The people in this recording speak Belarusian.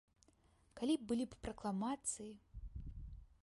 Калі былі б пракламацыі!